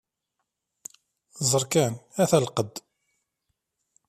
Ẓer kan ata lqedd!